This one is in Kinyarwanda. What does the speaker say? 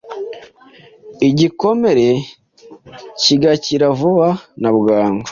igikomere kigakira vuba na bwangu